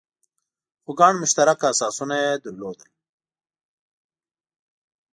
خو ګڼ مشترک اساسونه یې لرل.